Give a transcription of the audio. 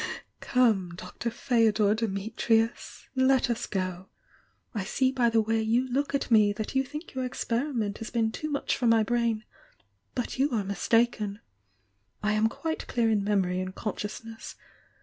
"Come, Dr. Feodor Dimitrius! Let us go! I see by the way you look at me that you think your experiment has been too much for my brain, but you are mistaken. I am quite clear in memory and consciousness.